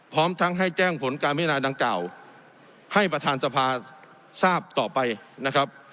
พร้อมทั้งให้แจ้งผลการพิจารณาดังกล่าวให้ประธานสภาทราบต่อไปนะครับ